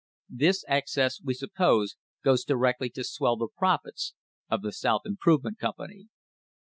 This excess, we suppose, goes directly to swell the profits of the South Im provement Company.